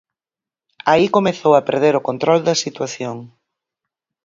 Aí comezou a perder o control da situación.